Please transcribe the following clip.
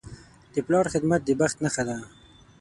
د پلار خدمت د بخت نښه ده.